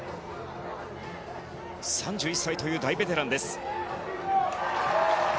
３１歳という大ベテランです。